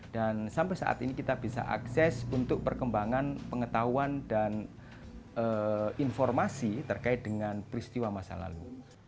dan sampai saat ini kita bisa akses untuk perkembangan pengetahuan dan informasi terkait dengan peristiwa masa lalu